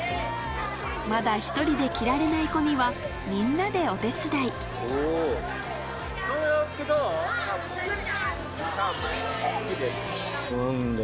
まだ１人で着られない子にはみんなでお手伝いおっ！